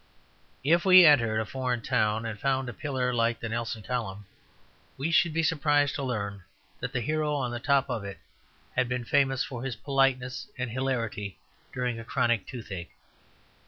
If we entered a foreign town and found a pillar like the Nelson Column, we should be surprised to learn that the hero on the top of it had been famous for his politeness and hilarity during a chronic toothache.